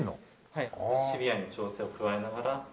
はいシビアに調整を加えながら。